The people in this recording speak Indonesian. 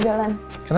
gak bisa peluk terus